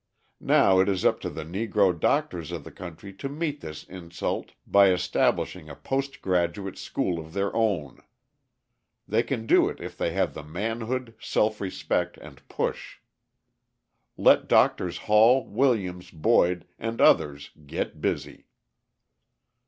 Now it is up to the Negro doctors of the country to meet this insult by establishing a post graduate school of their own. They can do it if they have the manhood, self respect, and push. Let Doctors Hall, Williams, Boyd and others get busy."